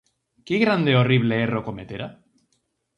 Que grande e horrible erro cometera?